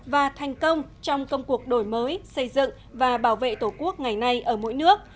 và thành công trong công cuộc đổi mới xây dựng và bảo vệ tổ quốc ngày nay ở mỗi nước